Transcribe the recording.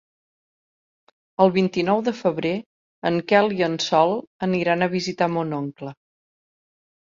El vint-i-nou de febrer en Quel i en Sol aniran a visitar mon oncle.